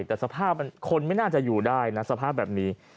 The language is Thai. แต่สภาพมันคนไม่น่าจะอยู่ได้นะสภาพแบบนี้